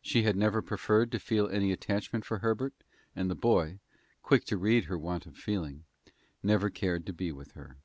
She had never preferred to feel any attachment for Herbert, and the boy, quick to read her want of feeling, never cared to be with her.